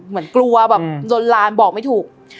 เหมือนกลัวแบบโดนลานบอกไม่ถูก